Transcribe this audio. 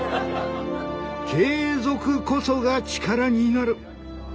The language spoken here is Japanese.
継続こそが力になる。